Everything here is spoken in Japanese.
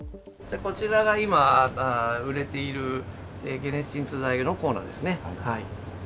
こちらが今、売れている解熱鎮痛剤のコーナーですね。